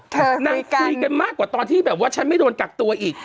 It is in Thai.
นางคุยกันมากกว่าตอนที่แบบว่าฉันไม่โดนกักตัวอีก